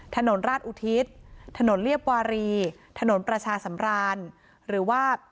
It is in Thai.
ถนนราชอุทิศถนนเรียบวารีถนนประชาสำรานหรือว่า